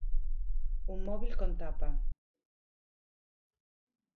Un móbil con tapa.